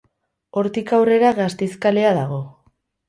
Hortik aurrera Gasteiz kalea dago.